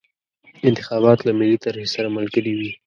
انتخابات له ملي طرحې سره ملګري وي.